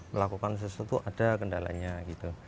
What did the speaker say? melakukan sesuatu ada kendalanya gitu